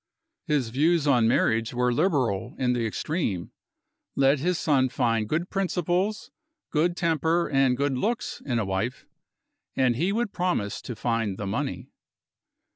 His views on marriage were liberal in the extreme. Let his son find good principles, good temper, and good looks, in a wife, and he would promise to find the money.